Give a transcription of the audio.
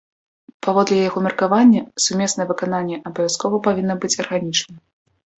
Паводле яго меркавання, сумеснае выкананне абавязкова павінна быць арганічным.